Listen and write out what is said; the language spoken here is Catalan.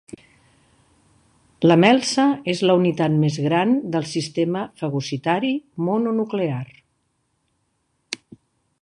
La melsa és la unitat més gran del sistema fagocitari mononuclear.